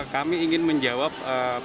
kami ingin menjawab pertanyaan dari teman teman